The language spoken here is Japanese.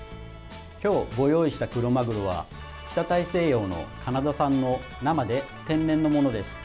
今日ご用意したクロマグロは北大西洋のカナダ産の生で天然のものです。